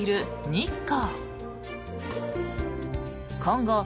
日光。